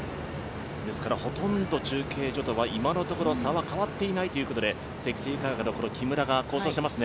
ですからほとんど中継所とは今のところ差は変わっていないということで積水化学の木村が好走していますね。